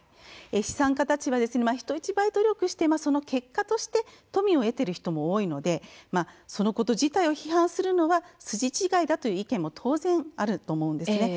資産家たちは人一倍努力しその結果として富を得ている人も多いのでそのこと自体を批判するのは筋違いだという意見も当然あると思います。